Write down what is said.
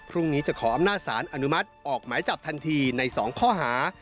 พรุ่งนี้จะขออำนาจสารอนุมัติออกหมายจับทันทีใน๒ข้อหา